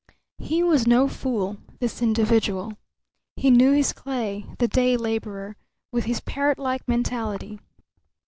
He was no fool, this individual. He knew his clay, the day labourer, with his parrotlike mentality.